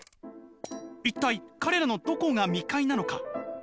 「一体彼らのどこが未開なのか？